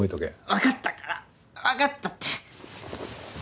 わかったからわかったって。